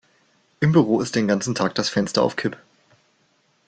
Im Büro ist den ganzen Tag das Fenster auf Kipp.